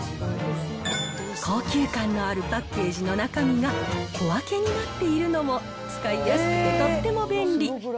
高級感のあるパッケージの中身が、小分けになっているのも使いやすくてとっても便利。